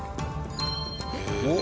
おっ！